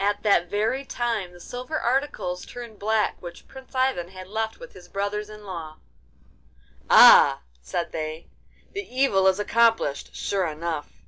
At that very time the silver articles turned black which Prince Ivan had left with his brothers in law. 'Ah!' said they, 'the evil is accomplished sure enough!